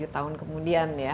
tujuh tahun kemudian ya